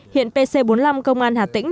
hiện pc bốn mươi năm công an hà tĩnh